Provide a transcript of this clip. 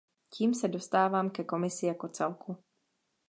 Tím se dostávám ke Komisi jako celku.